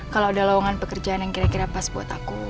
kalau ada lowongan pekerjaan yang kira kira pas buat aku